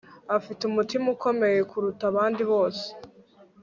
afite umutima ukomeye kuruta abandi bose